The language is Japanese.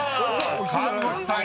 「看護師さん」